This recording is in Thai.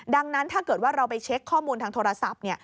ดังนั้นถ้าเกิดว่าเราไปเช็คข้อมูลทางโทรศัพท์